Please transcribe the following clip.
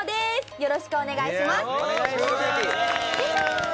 よろしくお願いします。